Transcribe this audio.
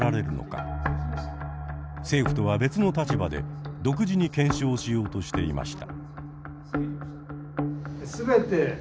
政府とは別の立場で独自に検証しようとしていました。